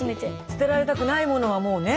捨てられたくないものはもうね。